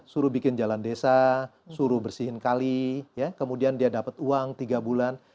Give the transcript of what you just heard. suruh bikin jalan desa suruh bersihin kali ya kemudian dia dapat uang tiga bulan